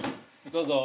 どうぞ。